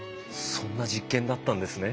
そんな実験だったんですね